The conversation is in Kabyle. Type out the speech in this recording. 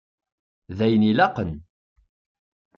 D ayen ilaqen.